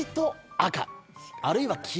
あるいは。